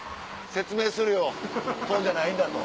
説明するよそうじゃないんだと。